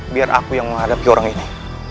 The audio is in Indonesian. biar aku yang menghadapi orang ini